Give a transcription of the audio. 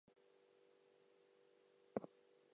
His body was buried in Novodevichy Cemetery.